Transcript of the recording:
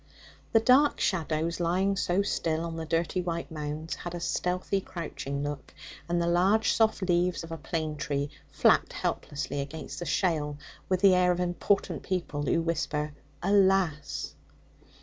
The dark shadows lying so still on the dirty white mounds had a stealthy, crouching look, and the large soft leaves of a plane tree flapped helplessly against the shale with the air of important people who whisper 'Alas!'